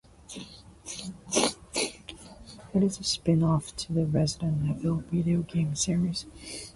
It is a spin-off to the "Resident Evil" video game series.